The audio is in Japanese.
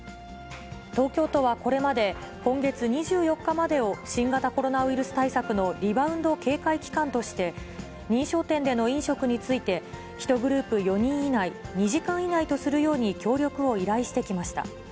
東京都はこれまで、今月２４日までを新型コロナウイルス対策のリバウンド警戒期間として、認証店での飲食について、１グループ４人以内、２時間以内とするように協力を依頼してきました。